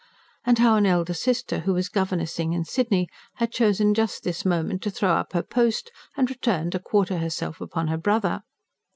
And how an elder sister, who was governessing in Sydney, had chosen just this moment to throw up her post and return to quarter herself upon the brother.